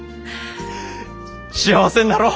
幸せになろう！